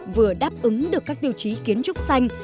vừa đáp ứng được các tiêu chí kiến trúc xanh